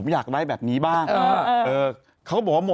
จะซื้อเหรียญยังไม่ให้เลย